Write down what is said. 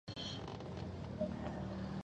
د بولان پټي د افغانستان د انرژۍ سکتور برخه ده.